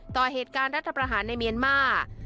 ต่อเหตุการณ์รัฐประหารในเมียนมาร์